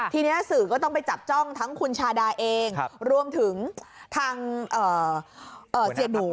ทีนี้สื่อก็ต้องไปจับจ้องทั้งคุณชาดาเองรวมถึงทางเสียหนู